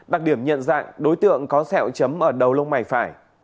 đặc điểm nhận dạng đối tượng có sẹo chấm ở đầu lông mày phải